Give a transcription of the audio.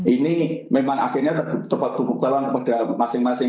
ini memang akhirnya terpukul pada masing masing